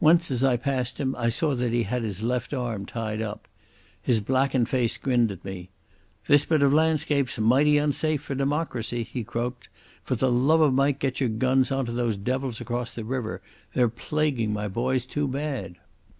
Once as I passed him I saw that he had his left arm tied up. His blackened face grinned at me. "This bit of landscape's mighty unsafe for democracy," he croaked. "For the love of Mike get your guns on to those devils across the river. They're plaguing my boys too bad."